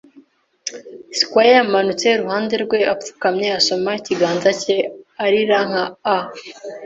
squire yamanutse iruhande rwe apfukamye asoma ikiganza cye, arira nka a